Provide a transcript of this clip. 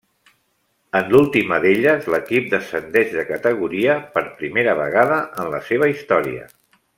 En l'última d'elles l'equip descendeix de categoria per primera vegada en la seva història.